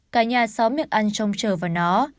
cả nhà xóm miệng ăn trông chờ vào nó